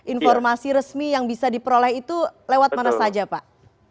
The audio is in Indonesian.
informasi resmi yang bisa diperoleh itu lewat mana saja pak